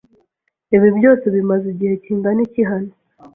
Ibi byose bimaze igihe kingana iki hano?